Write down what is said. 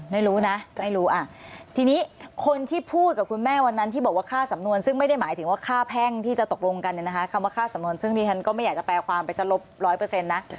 ไม่รู้นะไม่รู้ทีนี้คนที่พูดกับคุณแม่วันนั้นที่บอกว่าค่าสำนวนซึ่งไม่ได้หมายถึงว่าค่าแพ่งที่จะตกลงกันเนี่ยนะคะคำว่าค่าสำนวนซึ่งดิฉันก็ไม่อยากจะแปลความไปสลบร้อยเปอร์เซ็นต์นะ